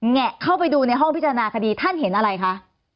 แงะเข้าไปดูในห้องพิจารณาคดีท่านเห็นอะไรคะ